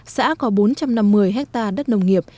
xã có bốn trăm năm mươi hectare đất nông nghiệp